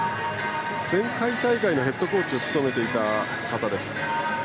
前回大会のヘッドコーチを務めていた方です。